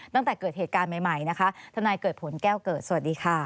ตั้งแต่เกิดเหตุการณ์ใหม่นะคะทนายเกิดผลแก้วเกิดสวัสดีค่ะ